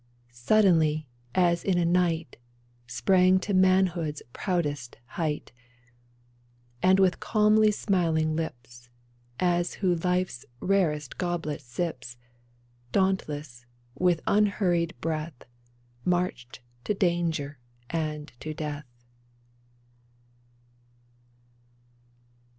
GETTYSBURG 1 29 Suddenly, as in a night, Sprang to manhood's proudest height ; And with calmly smiling lips, As who life's rarest goblet sips, Dauntless, with unhurried breath, Marched to danger and to death